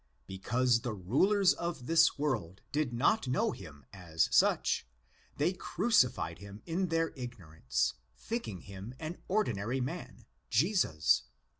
Because '' the rulers of this world'"' did not know him as such, they crucified him in their ignorance, thinking him an ordinary man, Jesus (ii.